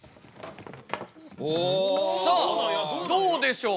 さあどうでしょう。